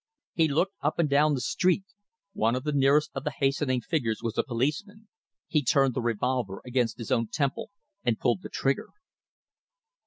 He looked up and down the street. One of the nearest of the hastening figures was a policeman. He turned the revolver against his own temple and pulled the trigger....